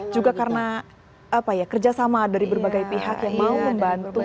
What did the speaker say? juga karena kerjasama dari berbagai pihak yang mau membantu